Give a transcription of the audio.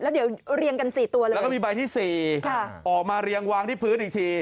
แล้วเดี๋ยวเรียงกัน๔ตัวเลยแล้วก็มีใบที่๔ออกมาเรียงวางที่พื้นอีกที